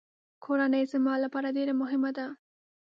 کورنۍ زما لپاره ډېره مهمه ده.